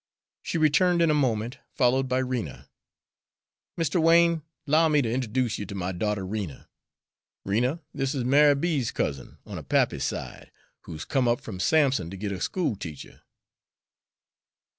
She returned in a moment, followed by Rena. "Mr. Wain, 'low me to int'oduce you to my daughter Rena. Rena, this is Ma'y B.'s cousin on her pappy's side, who's come up from Sampson to git a school teacher."